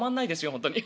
本当に。